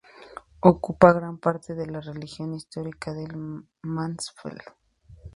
Ocupa gran parte de la región histórica del Mansfeld.